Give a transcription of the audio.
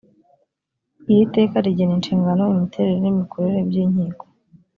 iri teka rigena inshingano imiterere n’imikorere by’inkiko